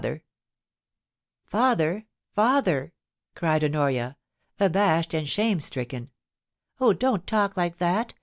' Father, father !' cried Honoria, abashed and shame stricken ; oh, don't talk like that.